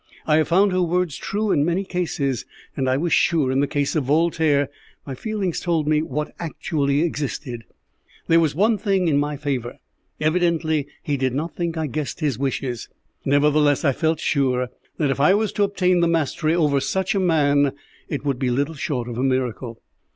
I have found her words true in many cases, and I was sure in the case of Voltaire my feelings told me what actually existed. There was one thing in my favour. Evidently he did not think I guessed his wishes; nevertheless I felt sure that if I was to obtain the mastery over such a man, it would be little short of a miracle.